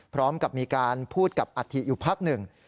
พร้อมกับมีการพูดกับอัฐิอยู่พักหนึ่ง